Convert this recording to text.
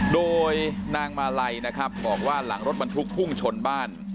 โดยนางมาลัยนะครับบอกว่าหลังรถบรรทุกพุ่งชนบ้าน